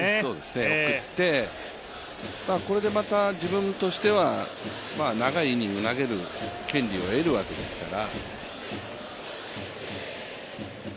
送ってこれでまた自分としては長いイニングを投げる権利を得るわけですから。